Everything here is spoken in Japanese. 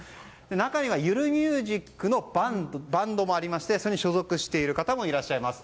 中には、ゆるミュージックのバンドもありましてそれに所属している方もいらっしゃいます。